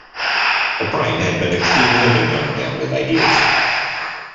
O'Brien had been a clean living young man with ideals.